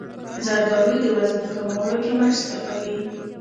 زردالو د وزن کمولو کې مرسته کوي.